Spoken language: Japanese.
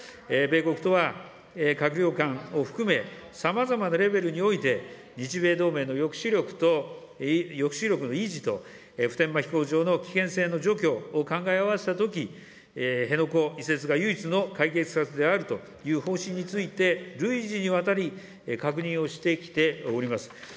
米国とは閣僚間を含め、さまざまなレベルにおいて、日米同盟の抑止力の維持と、普天間飛行場の危険性の除去を考え合わせたとき、辺野古移設が唯一の解決策であるという方針について、累次にわたり、確認をしてきております。